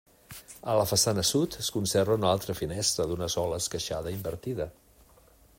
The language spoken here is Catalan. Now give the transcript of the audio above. A la façana sud es conserva una altra finestra d'una sola esqueixada invertida.